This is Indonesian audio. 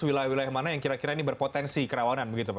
wilayah wilayah mana yang kira kira ini berpotensi kerawanan begitu pak